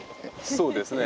そうですか。